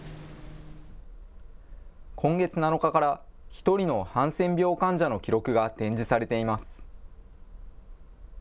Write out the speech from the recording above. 今月７日から１人のハンセン病患者の記録が展示されています。